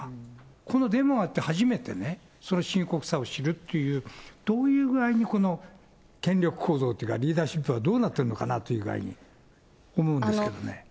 このデモがあって、初めてね、その深刻さを知るという、どういう具合にこの、権力構造っていうか、リーダーシップはどうなっているのかなという具合に思うんですけどね。